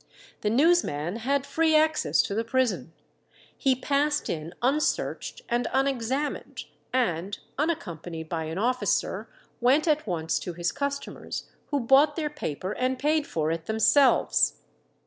The newsman had free access to the prison; he passed in unsearched and unexamined, and, unaccompanied by an officer, went at once to his customers, who bought their paper and paid for it themselves.